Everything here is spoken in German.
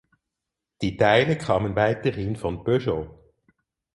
Die Teile kamen weiterhin von Peugeot.